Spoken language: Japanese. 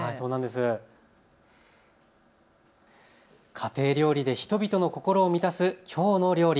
家庭料理で人々の心を満たすきょうの料理。